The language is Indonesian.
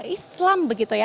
islam begitu ya